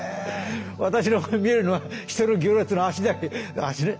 私に見えるのは人の行列の足だけ。